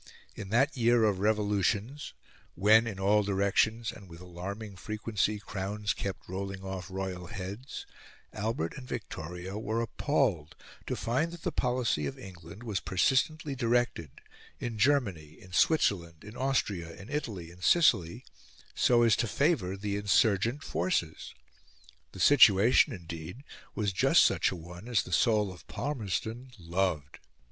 In that year of revolutions, when, in all directions and with alarming frequency, crowns kept rolling off royal heads, Albert and Victoria were appalled to find that the policy of England was persistently directed in Germany, in Switzerland, in Austria, in Italy, in Sicily so as to favour the insurgent forces. The situation, indeed, was just such a one as the soul of Palmerston loved.